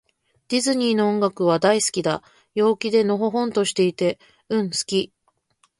ディズニーの音楽は、大好きだ。陽気で、のほほんとしていて。うん、好き。